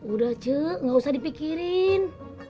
udah cik enggak usah dipikirin